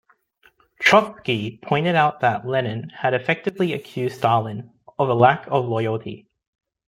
Trotsky pointed out that Lenin had effectively accused Stalin of a lack of loyalty.